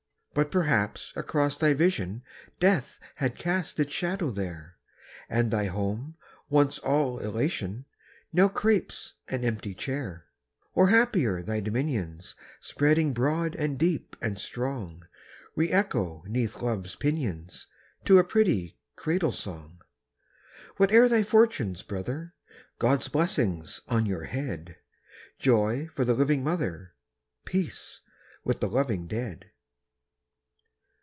But perhaps across thy vision Death had cast its shadow there, And thy home, once all elysian, Now crapes an empty chair; Or happier, thy dominions, Spreading broad and deep and strong, Re echo 'neath love's pinions To a pretty cradle song! Whate'er thy fortunes, brother! God's blessing on your head; Joy for the living mother, Peace with the loving dead.